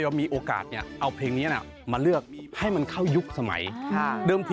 ฮัลโหลฮัลโหลฮัลโหลฮัลโหลฮัลโหลฮัลโหลฮัลโหล